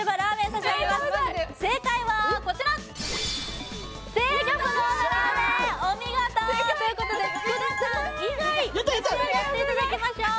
食べたい正解はこちらお見事ということで福田さん以外召し上がっていただきましょう